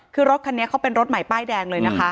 คือรถคันนี้เขาเป็นรถใหม่ป้ายแดงเลยนะคะ